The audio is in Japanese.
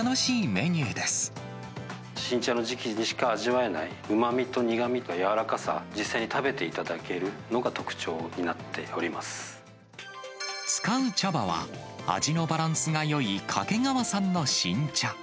新茶の時期にしか味わえない、うまみと苦みとやわらかさを実際に食べていただけるのが特徴にな使う茶葉は、味のバランスがよい掛川産の新茶。